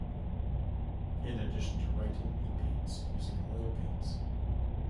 In addition to writing, he paints using oil paints.